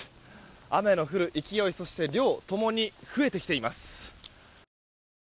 雨の降る勢い、そして量共に増えてきています。